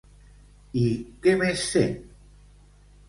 I què més sent?